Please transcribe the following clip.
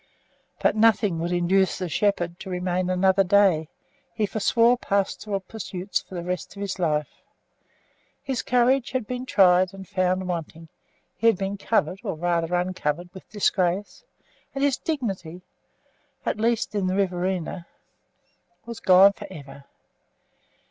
But nothing would induce the shepherd to remain another day; he forswore pastoral pursuits for the rest of his life. His courage had been tried and found wanting; he had been covered or, rather, uncovered with disgrace; and his dignity at least in Riverina was gone for ever.